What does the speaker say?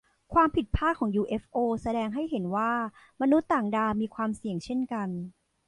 ความผิดพลาดของยูเอฟโอแสดงให้เห็นว่ามนุษย์ต่างดาวมีความเสี่ยงเช่นกัน